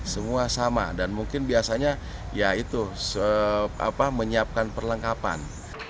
semua sama dan mungkin biasanya ya itu menyiapkan perlengkapan